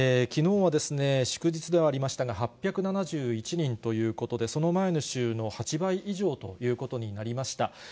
きのうは祝日ではありましたが、８７１人ということで、その前の週の８倍以上ということになりました。